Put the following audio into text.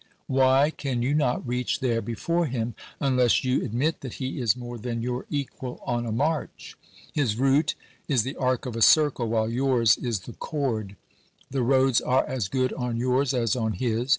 Why can you not reach there before him, unless you ad mit that he is more than your equal on a march ? His route is the arc of a circle, whOe yours is the chord. The roads are as good on yours as on his.